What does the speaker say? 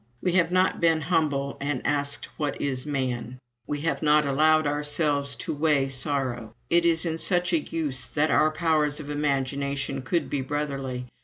We have not been humble and asked what is man; we have not allowed ourselves to weigh sorrow. It is in such a use that our powers of imagination could be brotherly.